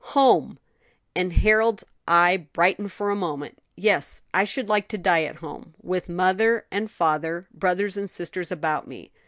"Home!" and Harold's eye brightened for a moment; "yes, I should like to die at home, with mother and father, brothers and sisters about me."